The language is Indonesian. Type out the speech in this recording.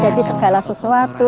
jadi segala sesuatu